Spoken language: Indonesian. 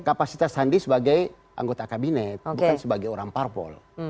kapasitas sandi sebagai anggota kabinet bukan sebagai orang parpol